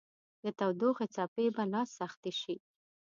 د تودوخې څپې به لا سختې شي